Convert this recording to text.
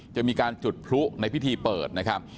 จะมีการจุดพลุในพิธีเปิดนะครับ